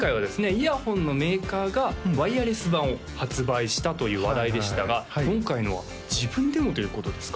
イヤホンのメーカーがワイヤレス版を発売したという話題でしたが今回のは自分でもということですか？